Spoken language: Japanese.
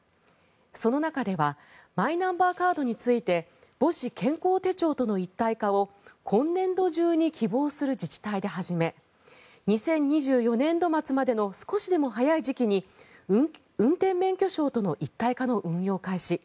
その中ではマイナンバーカードについて母子健康手帳との一体化を今年度中に希望する自治体で始め２０２４年度末までの少しでも早い時期に運転免許証との一体化の運用開始